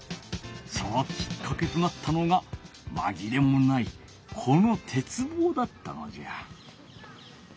そのきっかけとなったのがまぎれもないこの鉄棒だったのじゃ。